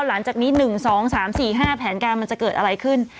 หลังจากนี้๑๒๓๔๕แผนการมันจะเกิดอะไรขึ้น